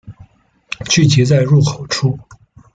聚集在入口处